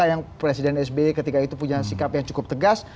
yang presiden sby ketika itu punya sikap yang cukup tegas